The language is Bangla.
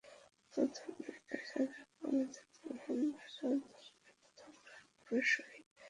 প্রথমেই আসা যাক আমাদের মহান ভাষা আন্দোলনের প্রথম প্রাণপুরুষ শহীদ ধীরেন্দ্রনাথ দত্ত প্রসঙ্গে।